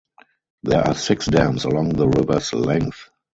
There are six dams along the river's length.